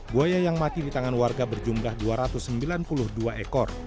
buaya yang mati di tangan warga berjumlah dua ratus sembilan puluh dua ekor